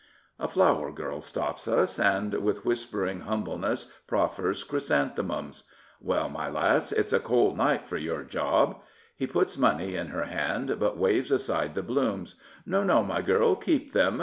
A flower girl stops us, and with whispering humble^ ness proffers chrysanthemums. " Well, my lass, it's a cold night for your job." He puts money in her hand, but waves aside the blooms. " No, no, my girl, keep them.